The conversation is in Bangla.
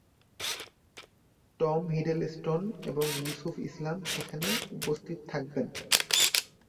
টম হিডেলস্টোন এবং ইউসুফ ইসলাম সেখানে উপস্থিত থাকবেন।